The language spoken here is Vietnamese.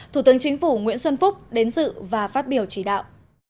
thủ tướng chính phủ nguyễn xuân phúc đến dự và phát biểu chỉ đạo